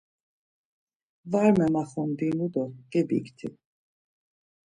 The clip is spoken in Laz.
Var memaxondinu do gebikti.